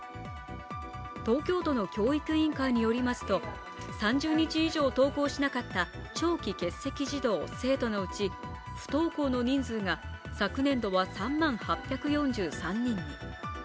東京都の教育委員会によりますと３０日以上登校しなかった長期欠席児童・生徒のうち不登校の人数が昨年度は３万８４３人に。